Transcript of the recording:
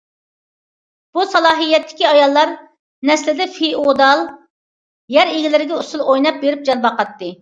بۇ سالاھىيەتتىكى ئاياللار ئەسلىدە فېئودال يەر ئىگىلىرىگە ئۇسسۇل ئويناپ بېرىپ جان باقاتتى.